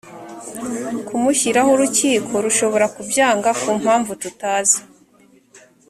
kumushyiraho urukiko rushobora kubyanga ku mpamvu tutazi